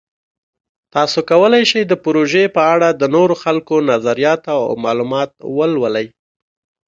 تاسو کولی شئ د پروژې په اړه د نورو خلکو نظریات او معلومات ولولئ.